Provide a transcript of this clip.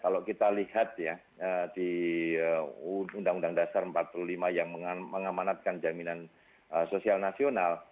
kalau kita lihat ya di undang undang dasar empat puluh lima yang mengamanatkan jaminan sosial nasional